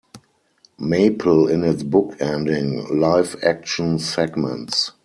Maple in its book-ending live-action segments.